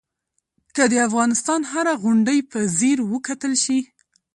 که د افغانستان هره غونډۍ په ځیر وکتل شي.